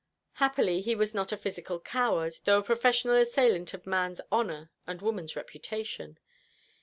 Happily he was not a physical coward, though a professional assailant of man's honour and woman's reputation.